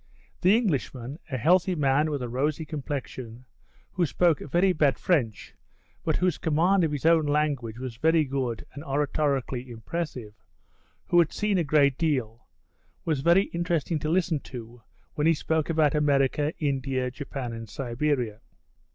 The Englishman, a healthy man with a rosy complexion, who spoke very bad French, but whose command of his own language was very good and oratorically impressive, who had seen a great deal, was very interesting to listen to when he spoke about America, India, Japan and Siberia.